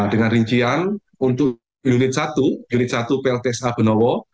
dengan rincian untuk unit satu unit satu plta benowo